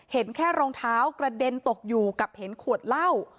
เห็นแค่รองเท้ากระเด็นตกอยู่กับเห็นขวดเหล้า